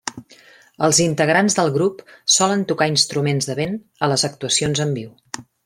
Els integrants del grup solen tocar instruments de vent a les actuacions en viu.